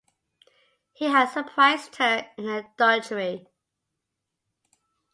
He had surprised her in her drudgery.